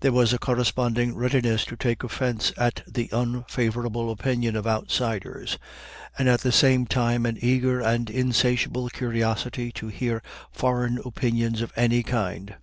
There was a corresponding readiness to take offense at the unfavorable opinion of outsiders, and at the same time an eager and insatiable curiosity to hear foreign opinions of any kind.